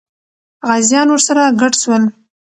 غازیان ورسره ګډ سول.